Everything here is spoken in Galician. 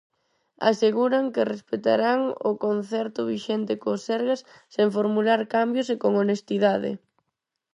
Aseguran que respectarán o concerto vixente co Sergas sen formular cambios e con honestidade.